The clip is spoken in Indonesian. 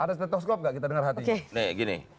ada stetoskop gak kita dengar hatinya gini